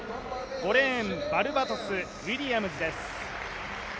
５レーン、バルバドスウィリアムズです。